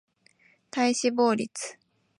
体脂肪率